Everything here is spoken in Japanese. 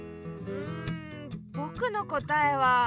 んぼくのこたえは。